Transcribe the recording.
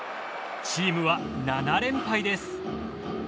チームは７連敗です。